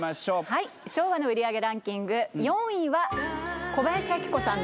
はい昭和の売り上げランキング４位は。